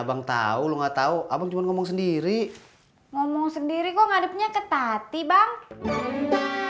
bang tahu nggak tahu apa cuma ngomong sendiri ngomong sendiri kok ngadepnya ke tati bang